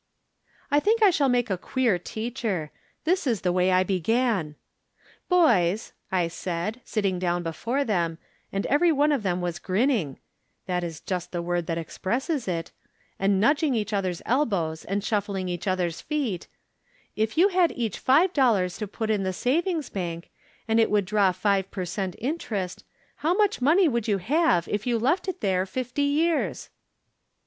" I tlaiuk I shall make a queer teacher. This is the way I began :" Boys," I said, sitting down before them, and every one of them was grinning (that is just the word that expresses it) and nudging each other's elbows and shuffling each other's feet, " if you had each five dollars to put in the savings bank, and it would draw five per cent, interest, how much money would you have if you left it there fifty years